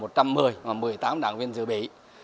trong đó là một trăm một mươi một mươi tám đảng viên dự bị